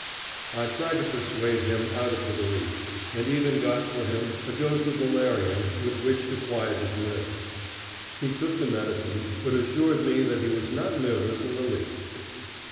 I tried to persuade him out of the belief, and even got for him a dose of valerian with which to quiet his nerves. He took the medicine, but assured me that he was not nervous in the least.